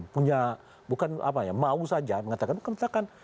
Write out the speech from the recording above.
punya bukan mau saja mengatakan